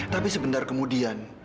tapi sebentar kemudian